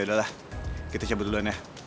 yaudah lah kita cabut duluan ya